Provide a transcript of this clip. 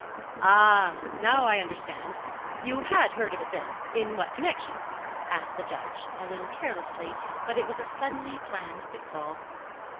"Ah! now I understand." "You had heard of it, then? In what connection?" asked the Judge, a little carelessly, but it was a suddenly planned pitfall.